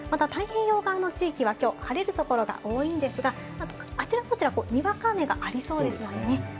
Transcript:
また太平洋側の地域はきょう晴れるところが多いんですが、あちらこちらににわか雨がありそうですよね。